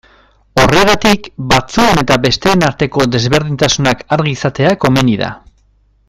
Horregatik, batzuen eta besteen arteko desberdintasunak argi izatea komeni da.